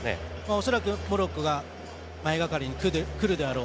恐らくモロッコが前がかりにくるであろう。